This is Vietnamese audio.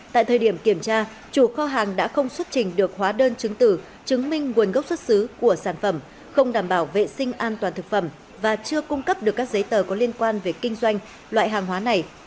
tại thời điểm kiểm tra chủ kho hàng đã không xuất trình được hóa đơn chứng tử chứng minh nguồn gốc xuất xứ của sản phẩm không đảm bảo vệ sinh an toàn thực phẩm và chưa cung cấp được các giấy tờ có liên quan về kinh doanh loại hàng hóa này